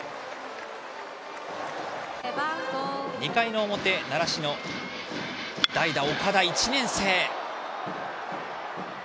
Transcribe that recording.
２回の表、習志野代打、岡田は１年生。